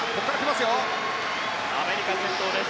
アメリカ先頭です。